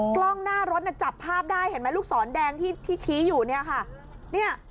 กล้องหน้ารถจับภาพได้เห็นไหมลูกศรแดงที่ชี้อยู่เนี่ยค่ะ